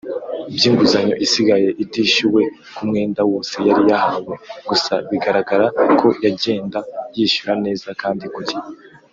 By’inguzanyo isigaye itishyuwe ku mwenda wose yari yahawe gusa bigaragara ko yagenda yishyura neza kandi kugihe.